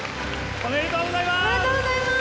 ありがとうございます。